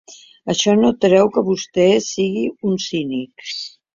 Això no treu que vostè sigui un cínic.